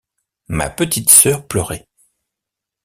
Ma petite sœur pleurait.